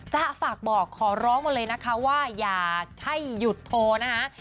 จะฝากบอกขอร้องมาเลยนะคะว่าอย่าให้หยุดโทรนะคะ